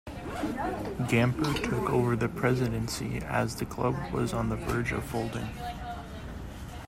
Gamper took over the presidency as the club was on the verge of folding.